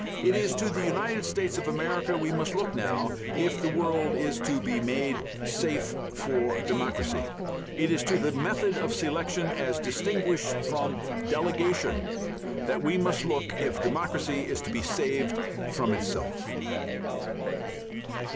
It is to the United States of America we must look now if the world is to be made "safe for democracy." It is to the method of selection, as distinguished from delegation, that we must look if democracy is to be saved from itself.